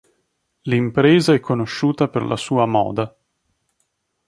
L'impresa è conosciuta per la sua moda.